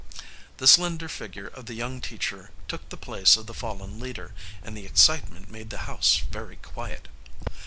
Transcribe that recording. The slender figure of the young teacher took the place of the fallen leader, and the excitement made the house very quiet.